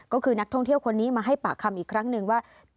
ก็คือนักท่องเที่ยวคนนี้มาให้ปากคำอีกครั้งหนึ่งว่า